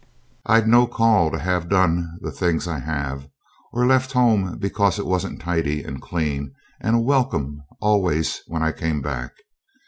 I'd no call to have done the things I have, or left home because it wasn't tidy and clean and a welcome always when I came back.